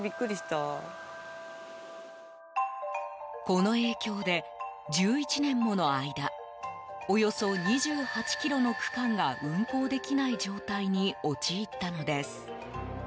この影響で１１年もの間およそ２８ｋｍの区間が運行できない状態に陥ったのです。